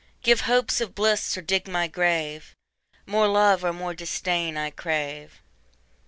10 Give hopes of bliss or dig my grave: More love or more disdain I crave.